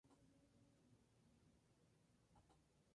Egipto era, indiscutiblemente, la gran potencia de la zona.